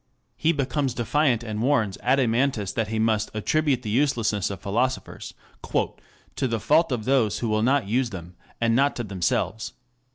He becomes defiant and warns Adeimantus that he must "attribute the uselessness" of philosophers "to the fault of those who will not use them, and not to themselves.